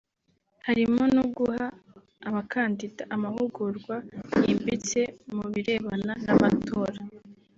harimo no guha abakandida amahugurwa yimbitse mu birebana n’amatora